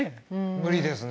無理ですね。